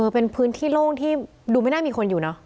เป็นพื้นที่โล่งที่ดูไม่น่ามีคนอยู่เนอะ